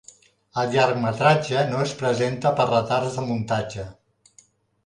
El llargmetratge no es presenta per retards de muntatge.